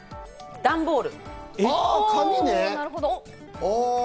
段ボール。